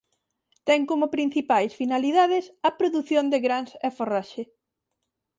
Ten como principais finalidades a produción de grans e forraxe.